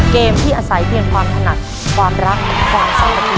เกมที่อาศัยเพียงความถนัดความรักความสามัคคี